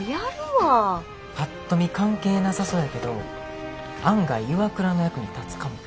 ぱっと見関係なさそうやけど案外ＩＷＡＫＵＲＡの役に立つかも。